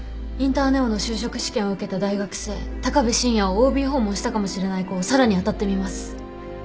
インターネオの就職試験を受けた大学生鷹部晋也をＯＢ訪問したかもしれない子をさらに当たってみます。